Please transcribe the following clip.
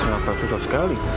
kenapa susah sekali